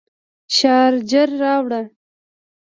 شارجر راوړه